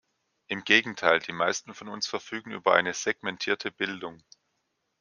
Im Gegenteil, die meisten von uns verfügen über eine segmentierte Bildung.